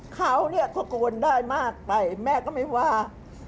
เขาก็โกนได้มากไปแม่ก็ไม่ว่า